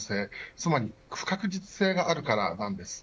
つまり不確実性があるからなんです。